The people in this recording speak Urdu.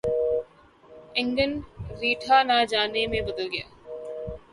انگن ٹیڑھا ناچ نہ جانے میں بدل گیا